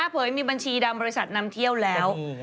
เผยมีบัญชีดำบริษัทนำเที่ยวแล้ว